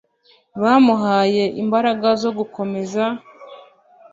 bamuhaye imbaraga zo gukomeza